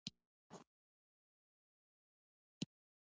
یووالی د تفاهم ثمره ده.